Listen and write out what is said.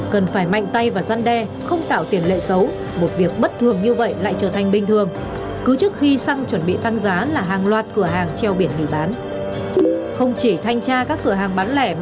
cần phải mạnh tay và gian đe không tạo tiền lệ xấu một việc bất thường như vậy lại trở thành bình thường cứ trước khi xăng chuẩn bị tăng giá là hàng loạt cửa hàng treo biển nghỉ bán